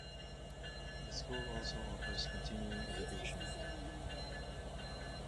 The school also offers Continuing Education.